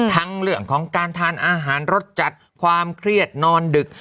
ทั้งเรื่องของการทานอาหารรสจัดความเครียดนอนดึก